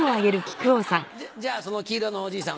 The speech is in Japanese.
じゃあその黄色のおじいさん